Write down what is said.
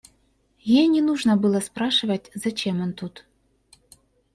Ей не нужно было спрашивать, зачем он тут.